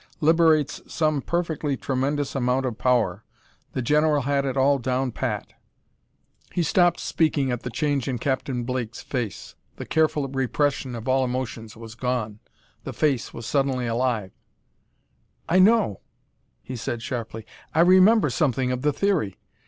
Liberates some perfectly tremendous amount of power. The general had it all down pat " He stopped speaking at the change in Captain Blake's face. The careful repression of all emotions was gone; the face was suddenly alive "I know," he said sharply; "I remember something of the theory.